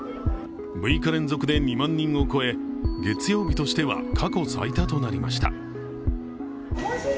６日連続で２万人を超え月曜日としては過去最多となりました。